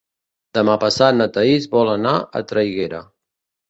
Demà passat na Thaís vol anar a Traiguera.